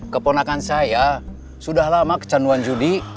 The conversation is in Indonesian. keponakan saya sudah lama kecanduan judi